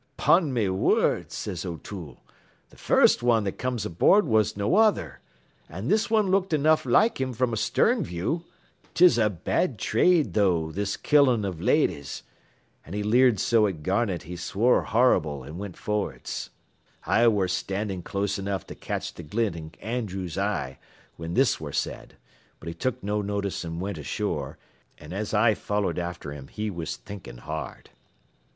"''Pon me whurd,' says O'Toole, 'th' first wan that comes aboard was no other an' this one looked enough like him from a stern view. 'Tis a bad trade, though, this killin' av leddies.' An' he leered so at Garnett he swore horrible an' went forrads. "I ware standin' close enough to catch th' glint in Andrews' eye whin this ware said, but he took no notice an' went ashore, an' as I followed after him he was thinkin' hard."